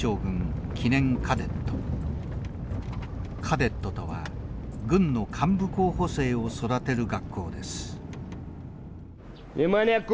カデットとは軍の幹部候補生を育てる学校です。